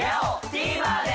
ＴＶｅｒで！